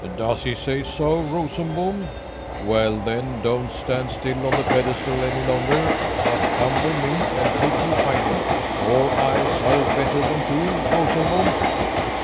"Does he say so, Rosenbom? Well then, don't stand still on the pedestal any longer but come with me and help me find him. Four eyes are better than two, Rosenbom."